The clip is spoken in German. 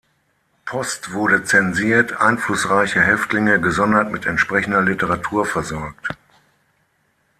Post wurde zensiert, einflussreiche Häftlinge gesondert mit entsprechender Literatur versorgt.